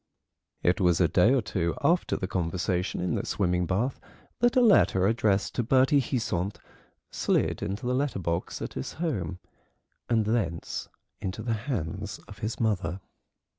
It was a day or two after the conversation in the swimming bath that a letter addressed to Bertie Heasant slid into the letter box at his home, and thence into the hands of his mother.